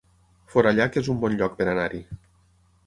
Forallac es un bon lloc per anar-hi